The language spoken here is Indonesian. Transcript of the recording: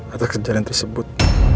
atas kejadian tersebut